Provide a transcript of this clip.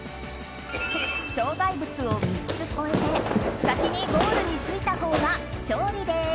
障害物を３つ越えて先にゴールに着いたほうが勝利です。